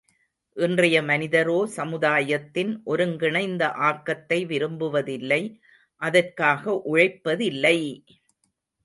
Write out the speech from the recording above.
இன்றைய மனிதரோ, சமுதாயத்தின் ஒருங்கிணைந்த ஆக்கத்தை விரும்புவதில்லை அதற்காக உழைப்பதில்லை!